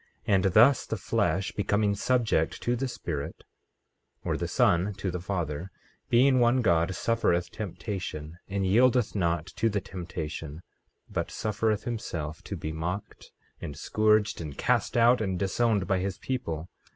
15:5 And thus the flesh becoming subject to the Spirit, or the Son to the Father, being one God, suffereth temptation, and yieldeth not to the temptation, but suffereth himself to be mocked, and scourged, and cast out, and disowned by his people.